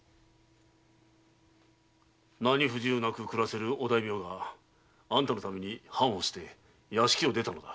何不自由なく暮らせるお大名があんたのために藩を捨て屋敷を出たのだ。